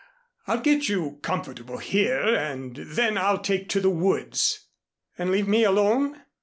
I'll get you comfortable here and then I'll take to the woods " "And leave me alone?"